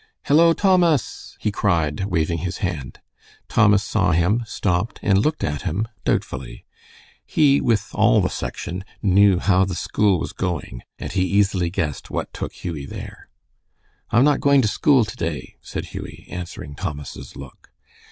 "Hello, Thomas!" he cried, waving his hand. Thomas saw him, stopped, and looked at him, doubtfully. He, with all the Section, knew how the school was going, and he easily guessed what took Hughie there. "I'm not going to school to day," said Hughie, answering Thomas's look.